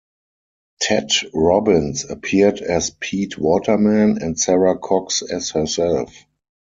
Ted Robbins appeared as Pete Waterman, and Sara Cox as herself.